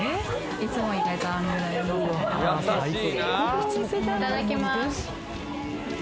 いただきます。